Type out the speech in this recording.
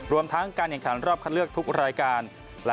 รวมทั้งการแข่งขันรอบคัดเลือกทุกรายการ